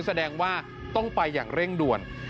แสดงว่าต้องไปอย่างเร่งด่วน